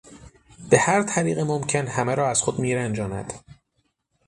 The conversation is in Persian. به هر طریق ممکن همه را از خود میرنجاند.